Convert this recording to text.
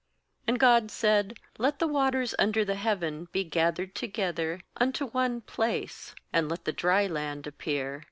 9And God said 'Let the waters under the heaven be gathered together unto one place, and let the dry land appear.'